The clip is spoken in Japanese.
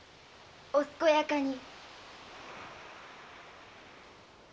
お健やかに。